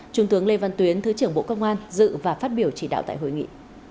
trung tướng lê văn tuyến thứ trưởng bộ công an dự và phát biểu chỉ đạo tại hội nghị